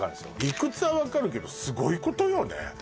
理屈はわかるけどすごいことよね